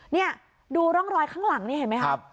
นี่ดูร่องรอยข้างหลังนี่เห็นไหมครับ